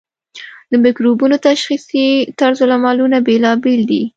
د مکروبونو تشخیصي طرزالعملونه بیلابیل دي.